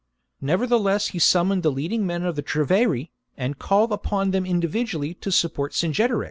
Nevertheless he sum moned the leading men of the Treveri, and called upon them individually to support Cingetorix.